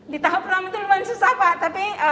di tahap pertama itu lumayan susah pak tapi